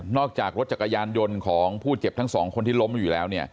จากรถจักรยานยนต์ของผู้เจ็บทั้งสองคนที่ล้มอยู่แล้ว